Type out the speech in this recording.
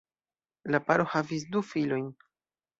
La paro havis du filojn.